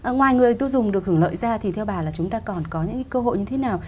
ngoài người tiêu dùng được hưởng lợi ra thì theo bà là chúng ta còn có những cơ hội như thế nào